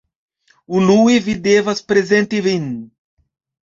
Unue, vi devas prezenti vin